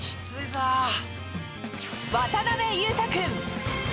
渡辺裕太君。